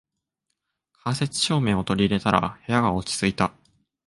間接照明を取り入れたら部屋が落ち着いた